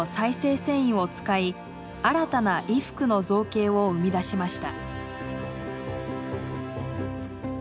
繊維を使い新たな衣服の造形を生み出しました。